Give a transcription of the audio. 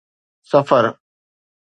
سفر